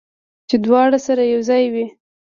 چې دواړه سره یو ځای وي